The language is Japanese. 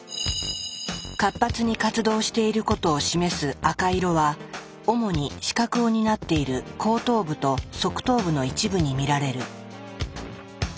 活発に活動していることを示す赤色は主に視覚を担っている後頭部と側頭部の一部に見られる。